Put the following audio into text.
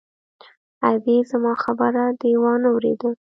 _ادې! زما خبره دې وانه ورېده!